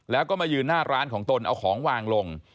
แล้วก็มายืนหน้าร้านของตนเอาของวางลง